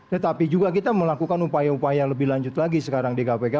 tetapi juga kita melakukan upaya upaya lebih lanjut lagi sekarang di kpk